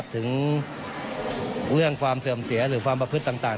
ถึงเรื่องความเสื่อมเสียหรือความประพฤติต่าง